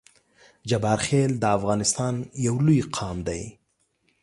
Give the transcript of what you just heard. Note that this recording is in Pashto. جبارخیل د افغانستان یو لوی قام دی